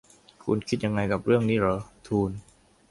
คุณคิดยังไงกับเรื่องนี้หรอ ? ทูน